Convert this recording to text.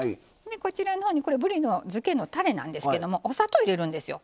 こちらのほうにこれぶりのづけのたれなんですけどもお砂糖入れるんですよ。